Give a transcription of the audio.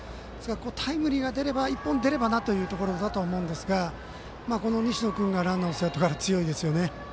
タイムリーが１本出ればなというところだと思うんですが西野君がランナーを背負ってから強いですよね。